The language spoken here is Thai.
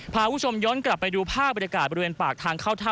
พาคุณผู้ชมย้อนกลับไปดูภาพบรรยากาศบริเวณปากทางเข้าถ้ำ